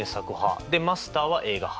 マスターは映画派。